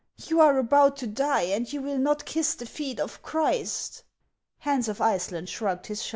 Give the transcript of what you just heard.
You are about to die, and you will not kiss the feet of Christ —~ Hans of Iceland shrugged his shoulders.